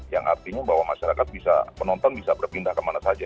yang artinya bahwa masyarakat bisa penonton bisa berpindah kemana saja